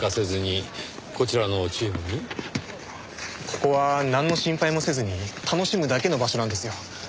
ここはなんの心配もせずに楽しむだけの場所なんですよ。